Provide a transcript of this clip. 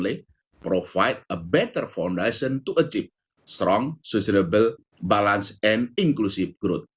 kedua memanfaatkan teknologi yang lebih baik untuk mencapai balasan dan inklusif